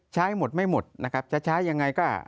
ใช้หมดไม่หมดนะครับจะใช้ยังไงก็